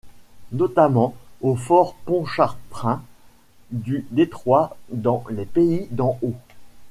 Notamment au Fort Pontchartrain du Détroit dans les Pays d'en Haut.